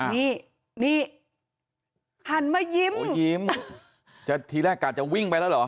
นี่นี่หันมายิ้มโอ้ยิ้มจะทีแรกกะจะวิ่งไปแล้วเหรอ